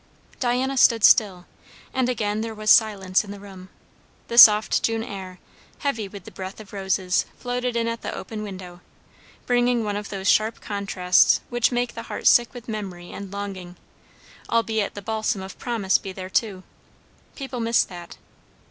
Diana stood still, and again there was silence in the room. The soft June air, heavy with the breath of roses, floated in at the open window, bringing one of those sharp contrasts which make the heart sick with memory and longing; albeit the balsam of promise be there too. People miss that.